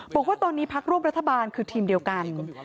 บอกว่าตอนนี้พักร่วมรัฐบาลคือทีมเดียวกัน